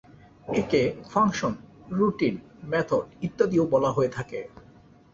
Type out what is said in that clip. একে function, routine, method ইত্যাদিও বলা হয়ে থাকে।